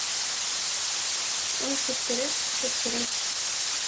Ой, шоптырет, шоптырет